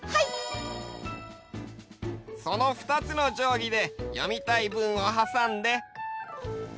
そのふたつのじょうぎで読みたいぶんをはさんで。